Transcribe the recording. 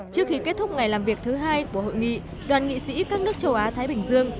trước khi kết thúc ngày làm việc thứ hai của hội nghị đoàn nghị sĩ các nước châu á thái bình dương